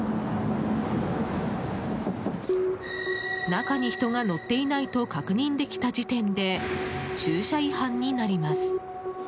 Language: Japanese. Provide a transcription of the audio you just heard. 中に人が乗っていないと確認できた時点で駐車違反になります。